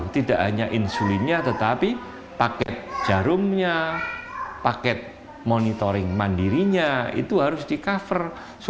tidak hanya insulinnya tetapi paket jarumnya paket monitoring mandirinya itu harus di cover